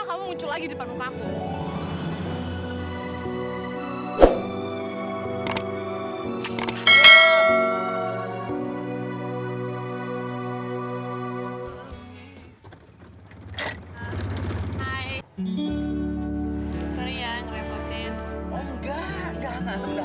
sampai jumpa di video selanjutnya